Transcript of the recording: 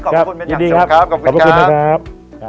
ขอบคุณเป็นอย่างสุดครับขอบคุณครับ